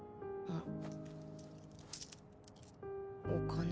あっ。